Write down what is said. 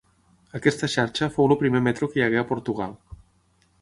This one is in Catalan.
Aquesta xarxa fou el primer metro que hi hagué a Portugal.